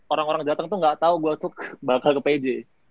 orang orang jateng tuh gak tahu gue tuh bakal ke pj